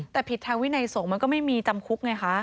แต่ผิดทางวินัยสงฆ์มันก็ไม่มีจำคุกไงคะ